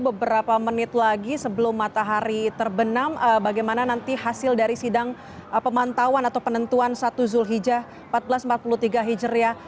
beberapa menit lagi sebelum matahari terbenam bagaimana nanti hasil dari sidang pemantauan atau penentuan satu zulhijjah seribu empat ratus empat puluh tiga hijriah